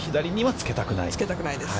つけたくないです。